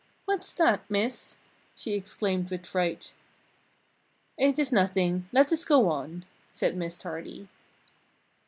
"What's that, Miss?" she exclaimed with fright. "It is nothing, let us go on!" said Miss Tardy.